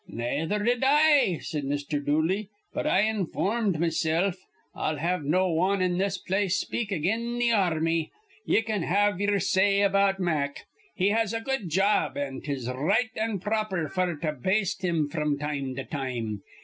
"Nayether did I," said Mr. Dooley. "But I informed mesilf. I'll have no wan in this place speak again th' ar rmy. Ye can have ye'er say about Mack. He has a good job, an' 'tis r right an' proper f'r to baste him fr'm time to time.